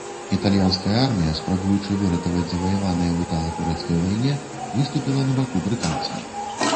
Італьянская армія, спрабуючы выратаваць заваяванае ў італа-турэцкай вайне выступіла на баку брытанцаў.